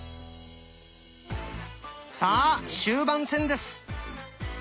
さあ終盤戦です。